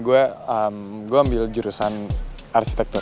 gue ambil jurusan arsitektur